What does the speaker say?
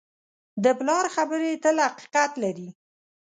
د پلار خبرې تل حقیقت لري.